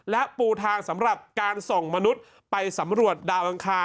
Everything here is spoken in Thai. และปูทางสำหรับการส่งมนุษย์ไปสำรวจดาวอังคาร